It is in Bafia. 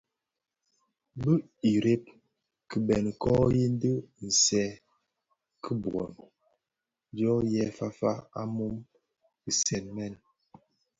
Bi ireb kibeňi kō yin di nsèň khibuen dyō yè fafa a mum kisee mèn.